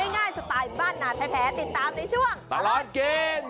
ง่ายสไตล์บ้านนาแท้ติดตามในช่วงตลอดกิน